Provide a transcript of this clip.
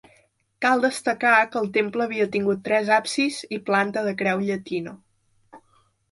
Cal destacar que el temple havia tingut tres absis i planta de creu llatina.